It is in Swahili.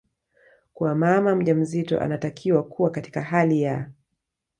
kuwa mama mjamzito anatakiwa kuwa katika hali ya